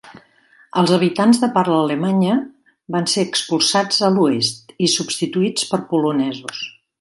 Els habitants de parla alemanya van ser expulsats a l'oest i substituïts per polonesos.